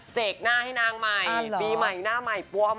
เสกหน้าให้นางใหม่ปีใหม่หน้าใหม่ปวม